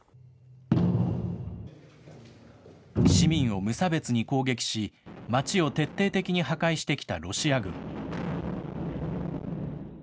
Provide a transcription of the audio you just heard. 市民を無差別に攻撃し、街を徹底的に破壊してきたロシア軍。